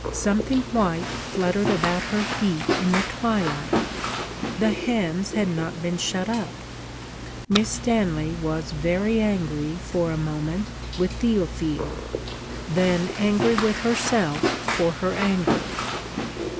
Something white fluttered about her feet in the twilight: the hens had not been shut up. Miss Stanley was very angry, for a moment, with Théophile; then angry with herself for her anger.